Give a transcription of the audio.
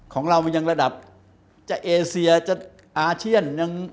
ของเรามันยังระดับจะเอเซียจะอาเซียนยัง